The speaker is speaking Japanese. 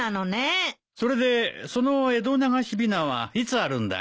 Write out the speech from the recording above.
それでその江戸流しびなはいつあるんだい？